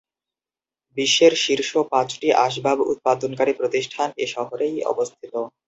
বিশ্বের শীর্ষ পাঁচটি আসবাব উৎপাদনকারী প্রতিষ্ঠান এ শহরেই অবস্থিত।